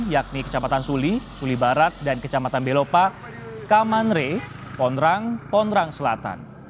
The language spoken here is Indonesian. yakni kecamatan suli suli barat dan kecamatan belopa kamanre pondrang pondrang selatan